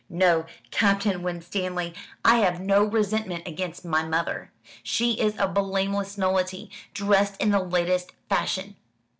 No, Captain Winstanley, I have no resentment against my mother. She is a blameless nullity, dressed in the latest fashion."